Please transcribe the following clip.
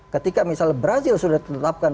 ketika misalnya brazil sudah ditetapkan